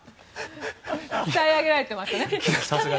鍛え上げられていますよね。